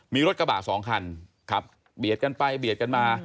มีรถกระบะสองคันขับเบียดกันไปเบียดกันมา